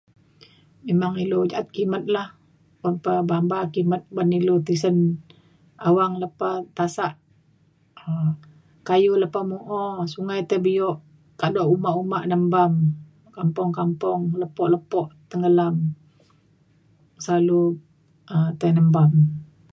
memang ilu ja’at kimet lah un pa bamba kimet ban ilu tisen awang lepa tasak um kayu lepa mu’o sungai tei bio kado uma uma nembam kampung kampung lepo lepo tenggelam selalu um tai nembam